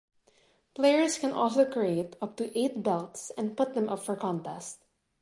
Players can also create up to eight belts and put them up for contest.